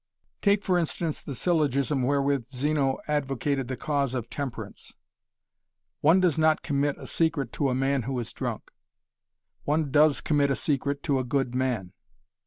Take for instance the syllogism wherewith Zeno advocated the cause of temperance One does not commit a secret to a man who is drunk. One does commit a secret to a good man.